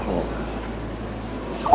kalau memang raya jodoh lo